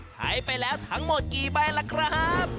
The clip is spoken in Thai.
ใช้ไปแล้วทั้งหมดกี่ใบล่ะครับ